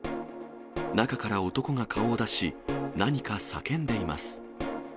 中から男が顔を出し、何か叫んでいます。